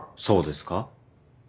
そうですか？